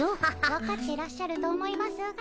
分かってらっしゃると思いますが。